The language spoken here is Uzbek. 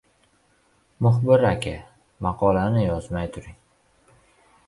«Muxbir aka, maqolani yozmay turing...»